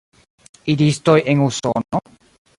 Idistoj en Usono?